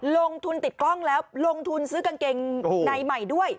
ลงทุนติดกล้องแล้วลงทุนซื้อกางเกงในใหม่ด้วย